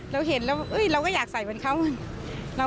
เราเห็นแล้วเราก็อยากใส่เหมือนเขา